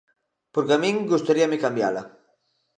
Porque a min gustaríame cambiala.